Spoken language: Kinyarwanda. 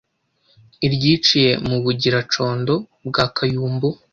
Iryiciye mu Bugira-condo bwa Kayumbu